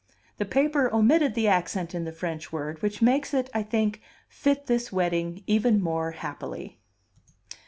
The paper omitted the accent in the French word, which makes it, I think, fit this wedding even more happily.